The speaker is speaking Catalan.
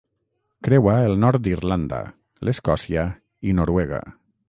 Creua el nord d'Irlanda, l'Escòcia i Noruega.